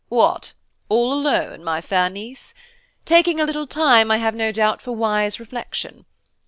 "What, all alone, my fair niece? taking a little time, I have no doubt, for wise reflection.